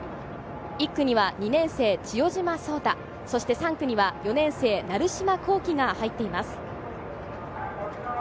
１区には２年生・千代島宗汰、３区には４年生・成島航己が入っています。